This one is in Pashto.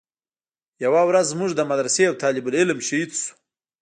يوه ورځ زموږ د مدرسې يو طالب العلم شهيد سو.